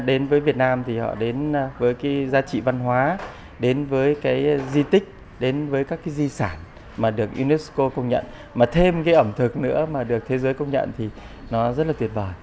đến với việt nam thì họ đến với cái giá trị văn hóa đến với cái di tích đến với các cái di sản mà được unesco công nhận mà thêm cái ẩm thực nữa mà được thế giới công nhận thì nó rất là tuyệt vời